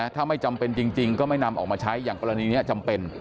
ถ้าไม่จำเป็นจริงก็ไม่นำออกมาใช้อย่างกรณีนี้จำเป็น